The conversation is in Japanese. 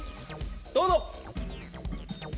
どうぞ。